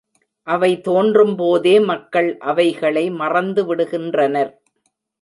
அவை தோன்றும்போதே மக்கள் அவைகளை மறந்துவிடுகின்றனர்.